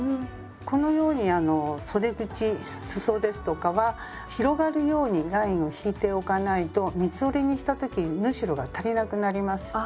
このようにあのそで口すそですとかは広がるようにラインを引いておかないと三つ折りにした時に縫い代が足りなくなります。